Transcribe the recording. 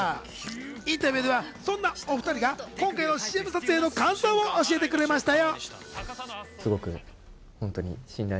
インタビューではそんなお２人が今回のＣＭ撮影の感想も教えてくれましたよ。